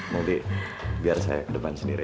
nanti biar saya ke depan sendiri